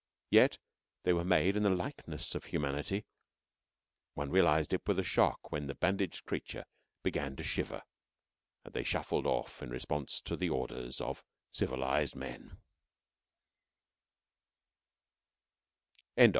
Yet they were made in the likeness of humanity. One realized it with a shock when the bandaged creature began to shiver, and they shuffled off in response to the orders of civilized men.